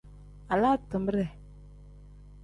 Alaa timere.